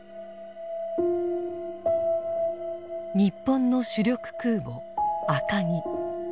日本の主力空母「赤城」。